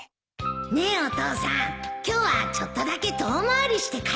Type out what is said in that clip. ねえお父さん今日はちょっとだけ遠回りして帰ろうよ